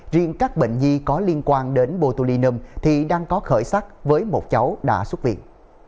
riêng các bệnh nhi có liên quan đến botulinum thì đang có khởi sắc với một cháu đã xuất viện